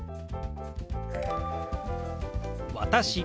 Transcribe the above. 「私」。